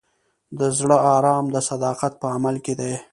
د زړه ارام د صداقت په عمل کې دی.